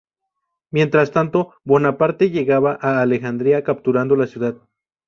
Mientras tanto, Bonaparte llegaba a Alejandría capturando la ciudad.